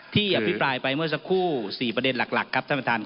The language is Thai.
ที่อภิปรายไปเมื่อสักครู่สี่ประเด็นหลักหลักครับท่านบันดีครับ